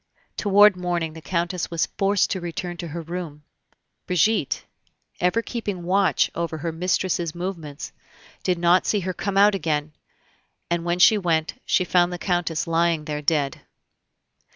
Toward morning the Countess was forced to return to her room. Brigitte, ever keeping watch over her mistress's movements, did not see her come out again; and when she went, she found the Countess lying there dead.